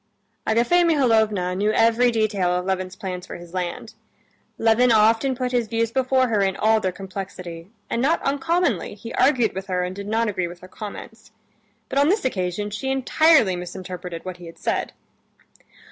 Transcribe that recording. Agafea Mihalovna knew every detail of Levin's plans for his land. Levin often put his views before her in all their complexity, and not uncommonly he argued with her and did not agree with her comments. But on this occasion she entirely misinterpreted what he had said.